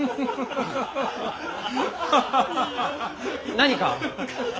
何か？